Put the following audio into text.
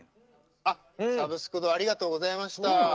あっ「サブスク堂」ありがとうございました。